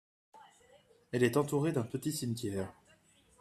Elle est entourée d'un petit cimetière.